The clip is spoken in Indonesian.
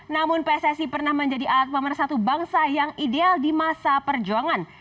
namun pssi pernah menjadi alat pemersatu bangsa yang ideal di masa perjuangan